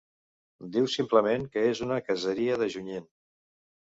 Diu simplement que és una caseria de Junyent.